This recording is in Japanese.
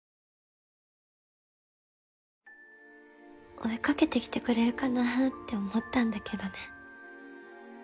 追いかけてきてくれるかなって思ったんだけどね。